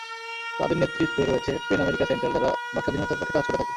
তাদের নেতৃত্বে রয়েছে পেন আমেরিকা সেন্টার, যারা বাক্স্বাধীনতার পক্ষে কাজ করে থাকে।